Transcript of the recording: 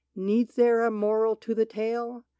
Needs there a moral to the tale